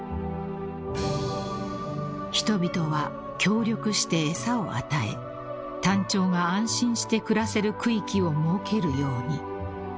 ［人々は協力して餌を与えタンチョウが安心して暮らせる区域を設けるように］